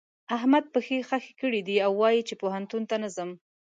احمد پښې خښې کړې دي او وايي چې پوهنتون ته نه ځم.